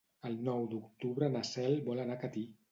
El nou d'octubre na Cel vol anar a Catí.